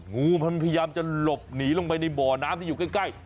งูมันพยายามจะหลบหนีลงไปในบ่อน้ำที่อยู่ใกล้